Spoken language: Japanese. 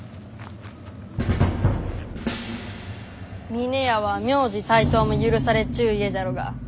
峰屋は名字帯刀も許されちゅう家じゃろうが。